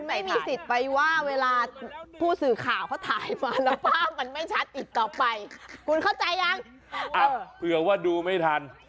ไม่มีสิทธิ์ไปว่าเวลาผู้สื่อข่าวเขาถ่ายมาแล้วภาพมันไม่ชัดอีกต่อไปคุณเข้าใจยังเผื่อว่าดูไม่ทัน